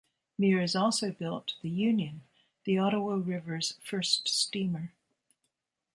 Mears also built the Union, the Ottawa River's first steamer.